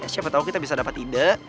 ya siapa tau kita bisa dapat ide